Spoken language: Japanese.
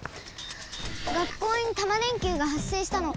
学校にタマ電Ｑが発生したの。